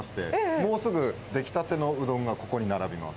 もうすぐ出来たてのうどんがここに並びます。